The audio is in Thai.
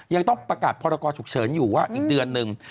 ยังต้องประกาศพรกรฉุกเฉินอยู่ว่าอีกเดือนหนึ่ง